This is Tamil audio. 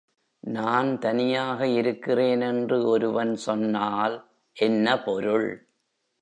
நான் தனியாக இருக்கிறேன் என்று ஒருவன் சொன்னால் என்ன பொருள்?